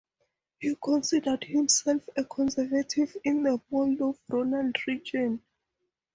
He considered himself a conservative in the mold of Ronald Reagan.